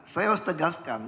saya harus tegaskan